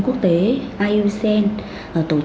là các mạng sốt